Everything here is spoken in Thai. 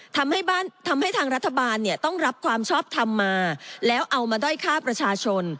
ทำให้บ้านทำให้ทางรัฐบาลเนี่ยต้องรับความชอบทำมาแล้วเอามาด้อยฆ่าประชาชน